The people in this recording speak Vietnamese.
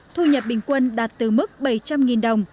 thu nhập bình quân đạt từ mức bảy trăm linh đồng